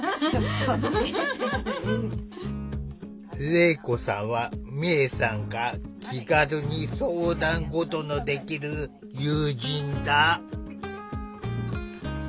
礼子さんは美恵さんが気軽に相談事のできる友人だ。